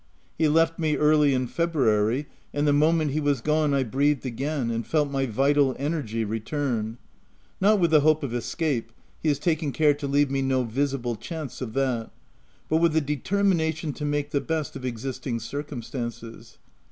He left me early in February ; and the moment he was gone, I breathed again, and felt my vital energy return ; not with the hope of escape — he has taken care to leave me no visible chance of that — but with a determina tion to make the best of existing circumstances.